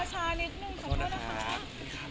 พี่สวัสดีครับ